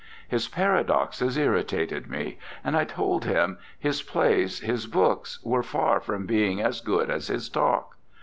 His paradoxes irritated me, and I told him his plays, his books, were far from being as good as his talk.